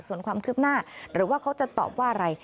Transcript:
ส่วนความคืบหน้าหรือว่าเขาจะตอบว่าอะไร